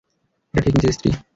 এটা ঠিক, মিসেস স্ত্রী।